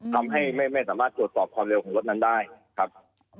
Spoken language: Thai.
ทำให้ไม่สามารถตรวจสอบความเร็วของรถนั้นได้ครับ